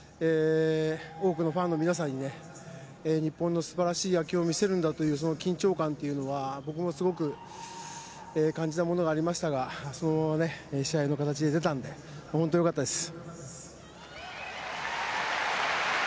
多くのファンの皆さんに日本の素晴らしい野球を見せるんだというその緊張感というのは僕もすごく感じたものがありましたがそのまま試合の形に出たので本当に良かったです。